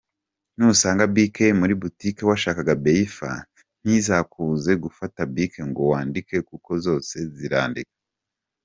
Nusanga Bic muri boutique washakaga Beifa, ntibizakubuze gufata Bic ngo wandike kuko zose zirandika.